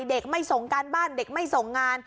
เด็กไม่ส่งการบ้านเด็กไม่ส่งงาน